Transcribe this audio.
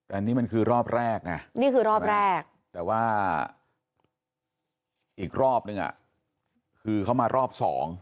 อันนี้มันคือรอบแรกไงนี่คือรอบแรกแต่ว่าอีกรอบนึงคือเขามารอบสอง